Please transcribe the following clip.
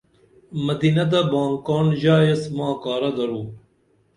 مدینہ تہ بھانگ کاڻ ژا ایس ماں کارہ درو